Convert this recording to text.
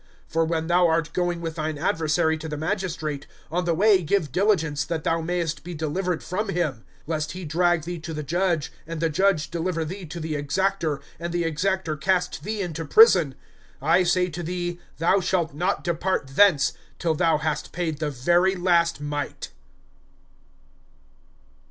(58)For when thou art going with thine adversary to the magistrate, on the way give diligence that thou mayest be delivered from him; lest he drag thee to the judge, and the judge deliver thee to the exactor, and the exactor cast thee into prison. (59)I say to thee, thou shalt not depart thence, till thou hast paid the very last mite.